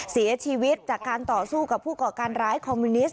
เสียชีวิตจากการต่อสู้กับผู้ก่อการร้ายคอมมิวนิสต